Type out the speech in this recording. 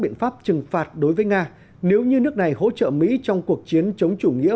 biện pháp trừng phạt đối với nga nếu như nước này hỗ trợ mỹ trong cuộc chiến chống chủ nghĩa